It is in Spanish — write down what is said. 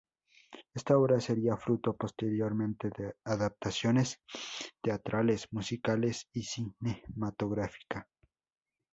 Esta obra sería fruto posteriormente de adaptaciones teatrales, musicales y cinematográfica.